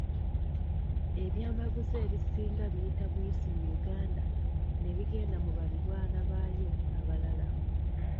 Ebyamaguzi ebisinga biyita buyisi mu Uganda ne bigenda mu baliraanwa baayo abalala.